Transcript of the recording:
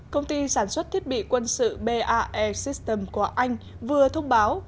công ty sản xuất thiết bị quân sự bae system của anh vừa thông báo